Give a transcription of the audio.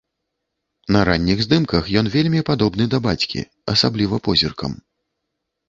На ранніх здымках ён вельмі падобны да бацькі, асабліва позіркам.